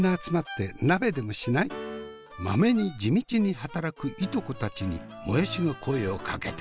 マメに地道に働く従兄弟たちにもやしが声をかけた。